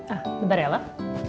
ah bentar ya lah